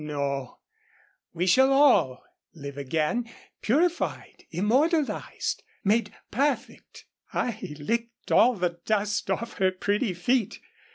No we shall all live again purified, immortalised, made perfect." I licked all the dust off her pretty feet.